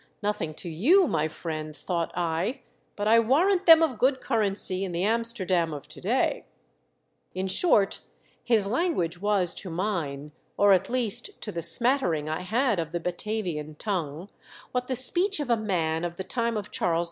" Nothing to you, my friend," thought I ;" but I warrant them of good currency in the Amsterdam of to day." In short, his language was to mine, or at least to the smattering I had of the Batavian tongue, what the speech of a man of the time of Charles II.